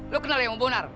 lo kenal ya sama bonar